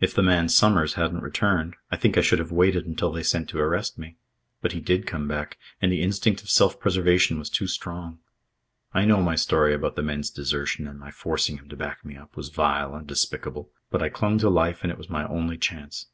If the man Somers hadn't returned, I think I should have waited until they sent to arrest me. But he did come back and the instinct of self preservation was too strong. I know my story about the men's desertion and my forcing him to back me up was vile and despicable. But I clung to life and it was my only chance.